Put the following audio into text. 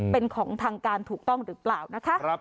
เป็นของทางการถูกต้องหรือเปล่านะคะ